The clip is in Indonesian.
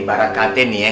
ini barang katin nih ya